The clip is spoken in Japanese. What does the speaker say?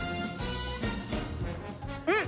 うん！